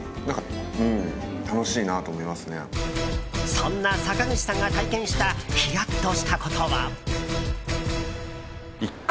そんな坂口さんが体験したヒヤッとしたことは？